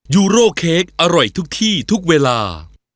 ยูโรเค้กอร่อยทุกที่ทุกเวลา